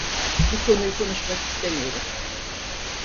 Bu konuyu konuşmak istemiyorum.